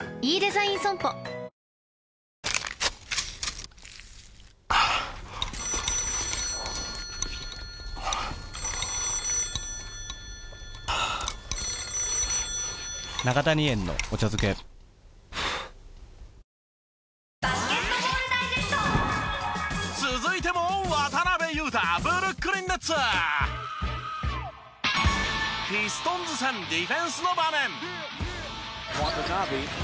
ピストンズ戦ディフェンスの場面。